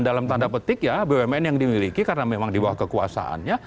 dalam tanda petik ya bumn yang dimiliki karena memang di bawah kekuasaannya